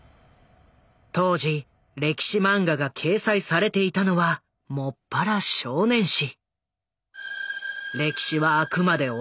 当時歴史マンガが掲載されていたのは専ら少年誌。